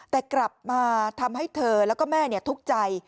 แต่กลับมาทำให้เธอแล้วก็แม่ทุกข์ใจ